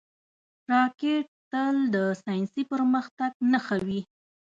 راکټ تل د ساینسي پرمختګ نښه وي